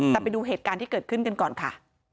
แต่ไปดูเหตุการณ์ที่เกิดขึ้นกันก่อนค่ะ